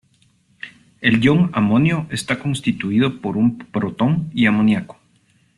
El ion amonio está constituido por un protón y amoniaco.